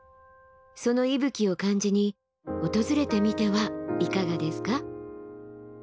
その息吹を感じに訪れてみてはいかがですか？